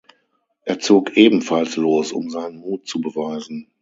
Er zog ebenfalls los, um seinen Mut zu beweisen.